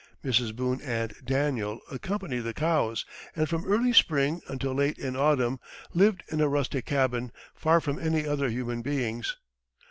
Mrs. Boone and Daniel accompanied the cows, and from early spring until late in autumn lived in a rustic cabin, far from any other human beings.